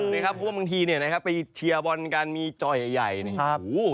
เพราะว่าบางทีไปเชียร์บอลการมีจอยใหญ่เนี่ย